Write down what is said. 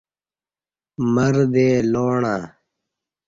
مردے لاݨہ